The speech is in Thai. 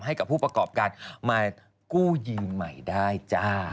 ให้กับผู้ประกอบการมากู้ยืมใหม่ได้จ้า